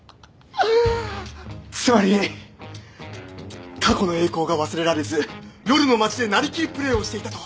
つまり過去の栄光が忘れられず夜の街でなりきりプレイをしていたと。